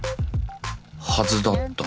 ［はずだった］